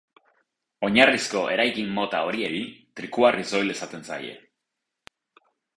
Oinarrizko eraikin mota horiei trikuharri soil esaten zaie.